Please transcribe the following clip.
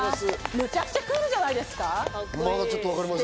むちゃくちゃクールじゃないですか？